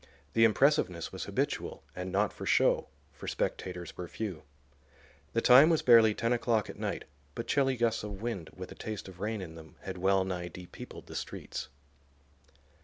The impressiveness was habitual and not for show, for spectators were few. The time was barely 10 o'clock at night, but chilly gusts of wind with a taste of rain in them had well nigh de peopled the streets.